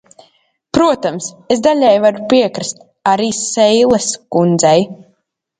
Protams, es daļēji varu piekrist arī Seiles kundzei.